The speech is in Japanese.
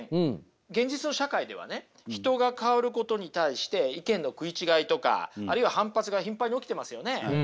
現実の社会ではね人が変わることに対して意見の食い違いとかあるいは反発が頻繁に起きていますよね。